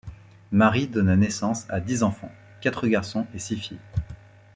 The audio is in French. Marie donna naissance à dix enfants, quatre garçons et six filles.